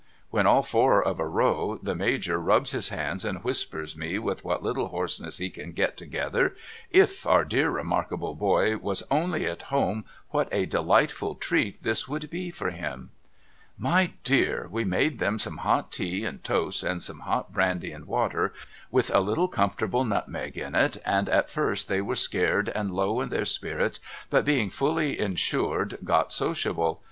AVhen all four of a row, the Major rubs his hands and whispers me with what little hoarseness he can get together, ' If our dear remarkable boy was only at home what a delightful treat this would be for him !' My dear we made them some hot tea and toast and some hot brandy and water with a little comfortable nutmeg in it, and at first they were scared and low in their spirits but being fully insured got sociable.